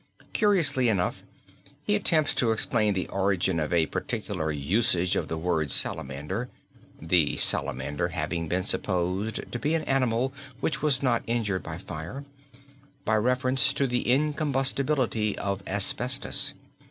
Curiously enough he attempts to explain the origin of a peculiar usage of the word salamander (the salamander having been supposed to be an animal which was not injured by fire) by reference to the incombustibility of asbestos.